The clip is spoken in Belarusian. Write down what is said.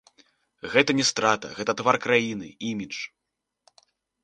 Гэта не страта, гэта твар краіны, імідж.